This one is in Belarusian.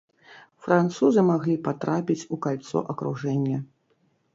Французы маглі патрапіць у кальцо акружэння.